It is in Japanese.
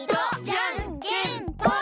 じゃんけんぽん！